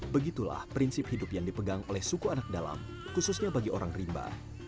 begitulah prinsip hidup yang dipegang oleh suku anak dalam khususnya bagi orang rimba